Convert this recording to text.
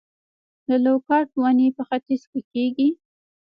د لوکاټ ونې په ختیځ کې کیږي؟